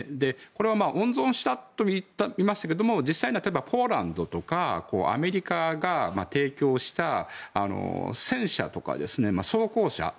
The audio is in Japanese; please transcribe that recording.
これは温存したといいましたが実際にはポーランドとかアメリカが提供した戦車とか装甲車。